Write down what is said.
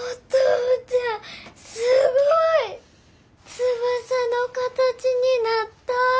翼の形になった！